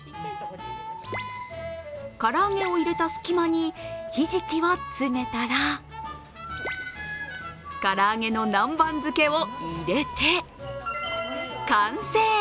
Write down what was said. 唐揚げを入れた隙間にひじきを詰めたら唐揚げの南蛮漬けを入れて完成！